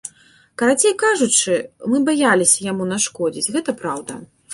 Карацей кажучы, мы баяліся яму нашкодзіць, гэта праўда!